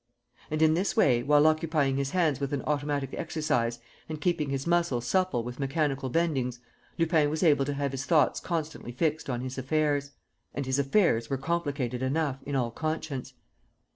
... And, in this way, while occupying his hands with an automatic exercise and keeping his muscles supple with mechanical bendings, Lupin was able to have his thoughts constantly fixed on his affairs. ... And his affairs were complicated enough, in all conscience!